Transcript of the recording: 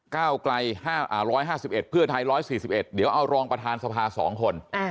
๑๕๑เพื่อไทย๑๔๑เดี๋ยวเอารองประธานสภา๒คน